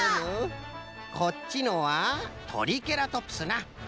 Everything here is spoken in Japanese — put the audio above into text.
こっちのはトリケラトプスな。